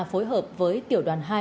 phối hợp với tiểu đoàn hai